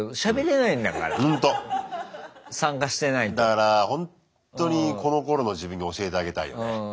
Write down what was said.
だからほんとにこのころの自分に教えてあげたいよね。